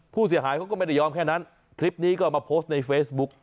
ผู้เสียหายเขาก็ไม่ได้ยอมแค่นั้นคลิปนี้ก็เอามาโพสต์ในเฟซบุ๊ก